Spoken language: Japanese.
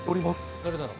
誰だろう。